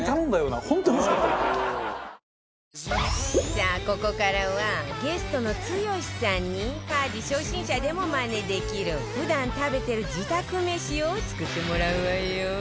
さあここからはゲストの剛さんに家事初心者でもマネできる普段食べてる自宅めしを作ってもらうわよ